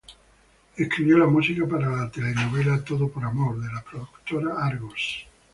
Escribió la música para la telenovela "Todo por Amor" de la productora Argos.